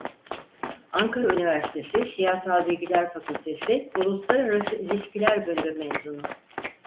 Ankara Üniversitesi Siyasal Bilgiler Fakültesi Uluslararası İlişkiler Bölümü mezunu.